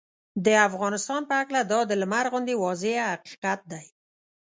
د افغانستان په هکله دا د لمر غوندې واضحه حقیقت دی